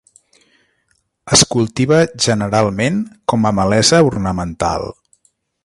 Es cultiva generalment com a malesa ornamental.